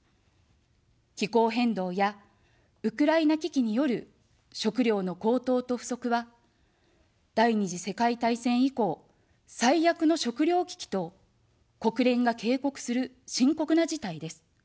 気候変動やウクライナ危機による食糧の高騰と不足は、第二次世界大戦以降、最悪の食糧危機と国連が警告する深刻な事態です。